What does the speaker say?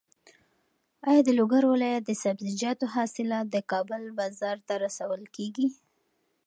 ایا د لوګر ولایت د سبزیجاتو حاصلات د کابل بازار ته رسول کېږي؟